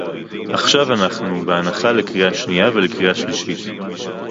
עכשיו אנחנו בהנחה לקריאה שנייה ולקריאה שלישית